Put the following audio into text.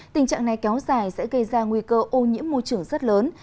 tình trạng này kéo dài sẽ gây ra nguy cơ ô nhiễm môi trường rất lớn